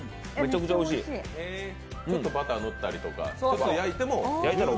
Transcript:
ちょっとバター塗ったりとか、焼いても。